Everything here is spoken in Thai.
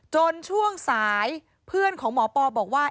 ช่วงสายเพื่อนของหมอปอบอกว่า